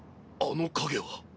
あの影は。